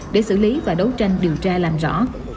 để xử lý và đấu tranh điều tra làm rõ